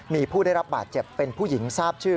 มีผู้ได้รับบาดเจ็บเป็นผู้หญิงทราบชื่อ